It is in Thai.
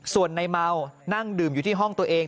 ส่วนในเมานั่งดื่มอยู่ที่ห้องตัวเอง